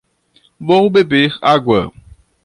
Vou beber água.